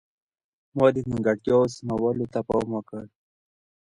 ما د نیمګړتیاوو سمولو ته پام وکړ.